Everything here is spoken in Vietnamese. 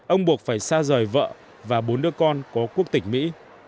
ông buộc phải xa rời vợ và bốn đứa con có quốc tịch mỹ